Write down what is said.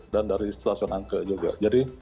dan dari stasiun anke juga